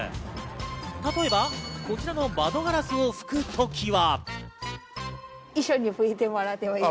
例えば、こちらの窓ガラスを拭くときは。